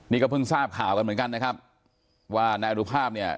นี่ก็เพิ่งทราบข่าวกันเหมือนกันนะครับว่านายอนุภาพเนี่ย